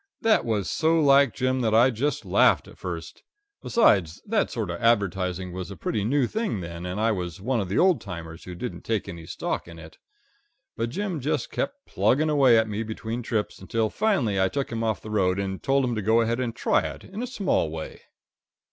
That was so like Jim that I just laughed at first; besides, that sort of advertising was a pretty new thing then, and I was one of the old timers who didn't take any stock in it. But Jim just kept plugging away at me between trips, until finally I took him off the road and told him to go ahead and try it in a small way.